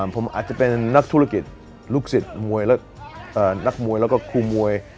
ผมอาจจะเป็นนักธุรกิจลูกศิษย์มวยและนักมวยแล้วก็ครูมวย